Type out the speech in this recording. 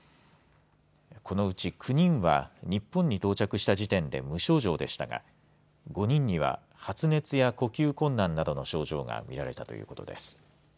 このうち９人は日本に到着した時点で無症状でしたが５人には発熱や呼吸困難などの症状が見られたということです。